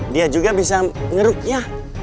dia juga bisa ngeruknya